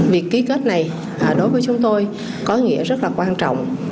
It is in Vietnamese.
việc ký kết này đối với chúng tôi có nghĩa rất là quan trọng